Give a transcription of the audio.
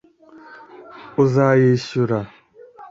Uzayishyura